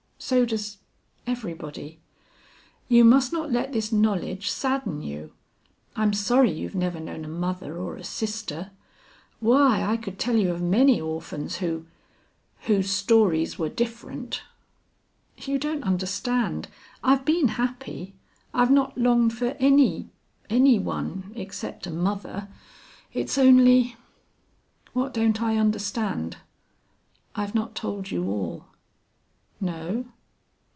So does everybody. You must not let this knowledge sadden you.... I'm sorry you've never known a mother or a sister. Why, I could tell you of many orphans who whose stories were different." "You don't understand. I've been happy. I've not longed for any any one except a mother. It's only " "What don't I understand?" "I've not told you all." "No?